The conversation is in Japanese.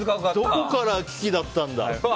どこから危機だったんだろう。